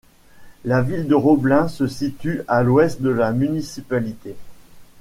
La ville de Roblin se situe à l'ouest de la municipalité.